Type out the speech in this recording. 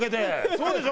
そうでしょ？